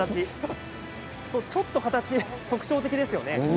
ちょっと形、特徴的ですよね。